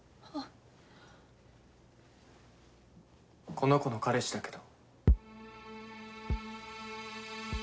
この子の彼氏だけど？